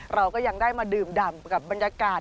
เราก็ยังได้มาดื่มดำกับบรรยากาศ